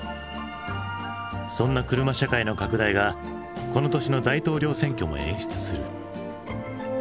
そんな車社会の拡大がこの年の大統領選挙も演出する。